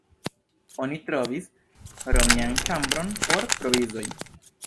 Oni trovis romian ĉambron por provizoj.